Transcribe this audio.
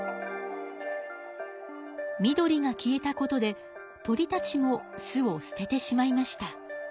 緑が消えたことで鳥たちも巣をすててしまいました。